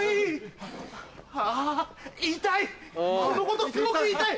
あぁ言いたい！